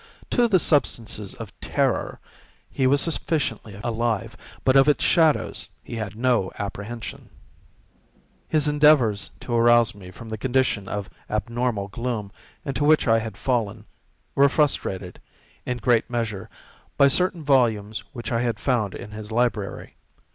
To the substances of terror he was sufficiently alive, but of its shadows he had no apprehension. His endeavors to arouse me from the condition of abnormal gloom into which I had fallen, were frustrated, in great measure, by certain volumes which I had found in his library.